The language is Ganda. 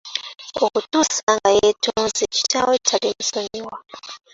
Okutuusa nga yeetonze kitaawe talimusonyiwa.